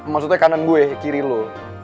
maksudnya kanan gue kiri lo